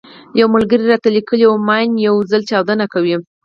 يو ملګري راته ليکلي وو چې ماين يو ځل چاودنه کوي.